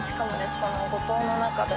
この五島の中でも。